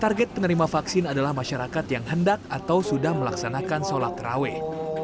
target penerima vaksin adalah masyarakat yang hendak atau sudah melaksanakan sholat terawih